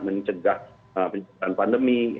mencegah penyebaran pandemi